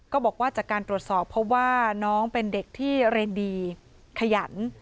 ก็บอกว่าจากการตรวจสอบเพราะว่าน้องเป็นเด็กที่เรียนดีขยัน